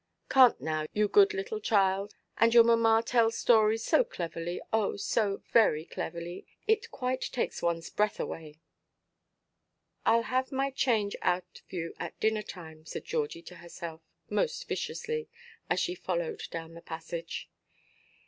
"Canʼt now, you good little child. And your mamma tells stories so cleverly, oh, so very cleverly, it quite takes away oneʼs breath." "Iʼll have my change out of you at dinner–time," said Georgie to herself most viciously, as she followed down the passage.